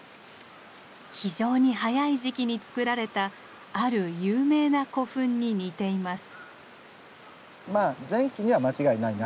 非常に早い時期につくられたある有名な古墳に似ています。